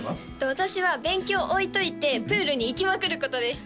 私は勉強置いといてプールに行きまくることです